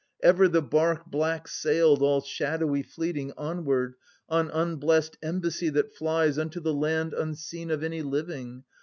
39 Ever the bark black sailed, all shadowy fleeting Onward, on unblest embassy that flies Unto the land unseen of any living.